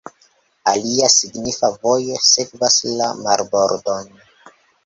Alia signifa vojo sekvas la marbordon.